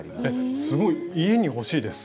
すごい家に欲しいです。